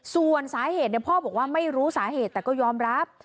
ส่วนสาเหตุพ่อบอกว่าไม่รู้สาเหตุแต่ก็ยอมรับ